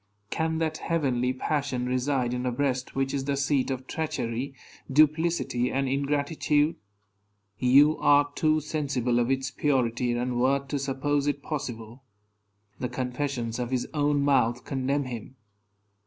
Can that heavenly passion reside in a breast which is the seat of treachery, duplicity, and ingratitude? You are too sensible of its purity and worth to suppose it possible. The confessions of his own mouth condemn him.